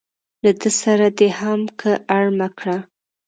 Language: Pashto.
له ده سره دې هم که اړمه کړه.